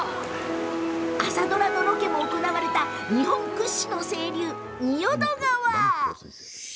朝ドラのロケも行われた日本屈指の清流・仁淀川。